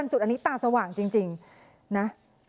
อันนี้ตามสว่างจริงน่ะ